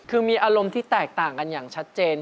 คือมีอารมณ์ที่แตกต่างกันอย่างชัดเจน